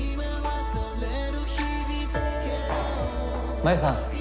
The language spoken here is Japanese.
真夢さん！